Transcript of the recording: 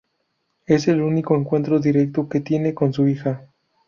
Es el único encuentro directo que tiene con su hija.